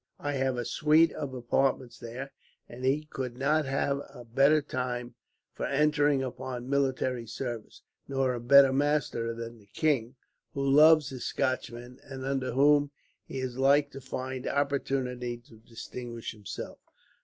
I have a suite of apartments there; and he could not have a better time for entering upon military service; nor a better master than the king, who loves his Scotchmen, and under whom he is like to find opportunity to distinguish himself."